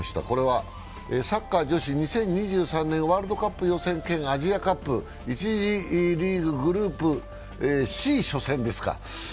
これはサッカー女子、２０２３年ワールドカップ予選兼アジアカップ、１次リーググループＣ初戦ですか。